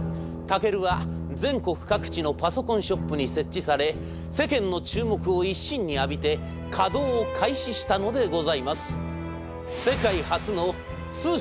ＴＡＫＥＲＵは全国各地のパソコンショップに設置され世間の注目を一身に浴びて稼働を開始したのでございます。